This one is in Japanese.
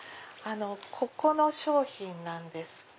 ここの商品なんです。